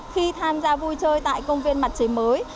khi tham gia vui chơi tại công viên mặt trời mới